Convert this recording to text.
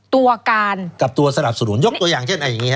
ตัวการกับตัวสนับสนุนยกตัวอย่างเช่นอย่างนี้ฮ